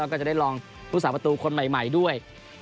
ก็จะมีการบังผู้สามารถประตูคนใหม่ด้วย